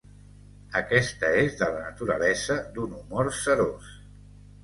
Aquesta és de la naturalesa d'un humor serós.